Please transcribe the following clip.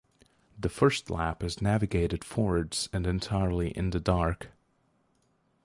The first lap is navigated forwards and entirely in the dark.